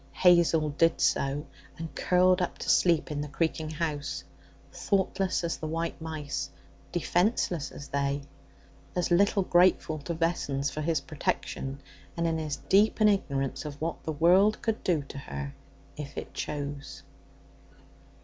Hazel did so, and curled up to sleep in the creaking house, thoughtless as the white mice, defenceless as they, as little grateful to Vessons for his protection, and in as deep an ignorance of what the world could do to her if it chose.